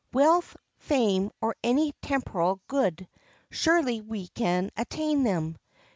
Wealth, fame, or any temporal good—surely we can attain them!